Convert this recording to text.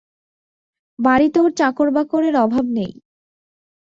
বাড়িতে ওর চাকরবাকরের অভাব নেই।